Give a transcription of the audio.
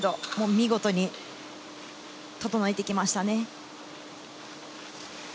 見事に整えてきましたね。